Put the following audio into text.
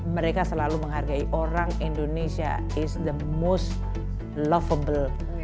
mereka selalu menghargai orang indonesia is the most lovable